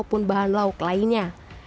ataupun bahan lauk lainnya